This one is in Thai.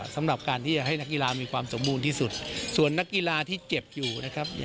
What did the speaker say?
สำหรับการที่จะให้นักฯ